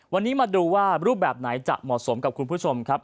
วันนี้มาดูว่ารูปแบบไหนจะเหมาะสมกับคุณผู้ชมครับ